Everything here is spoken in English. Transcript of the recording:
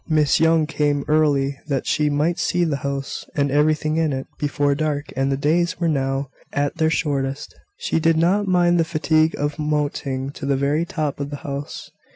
Miss Young came early, that she might see the house, and everything in it, before dark; and the days were now at their shortest. She did not mind the fatigue of mounting to the very top of the house.